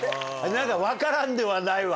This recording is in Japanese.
何か分からんではないわ。